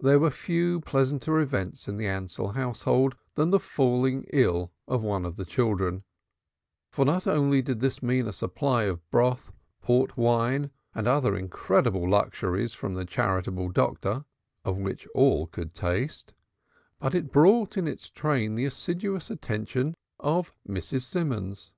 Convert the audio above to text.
There were few pleasanter events in the Ansell household than the falling ill of one of the children, for not only did this mean a supply of broth, port wine and other incredible luxuries from the Charity doctor (of which all could taste), but it brought in its train the assiduous attendance of Mrs. Simons.